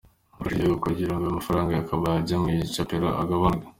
Ni ugufasha igihugu kugira ngo ya mafaranga yakabaye ajya mu icapiro agabanuke.